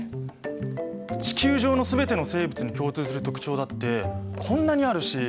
地球上の全ての生物に共通する特徴だってこんなにあるし。